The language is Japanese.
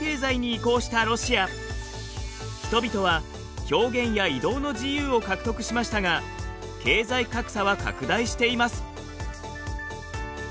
人々は表現や移動の自由を獲得しましたが経済格差は拡大しています。